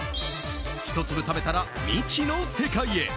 一粒食べたら未知の世界へ。